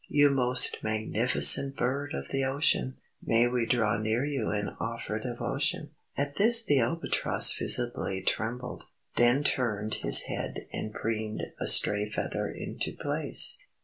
You most magnificent Bird of the ocean, May we draw near you And offer devotion." At this the Albatross visibly trembled. Then turned his head and preened a stray feather into place.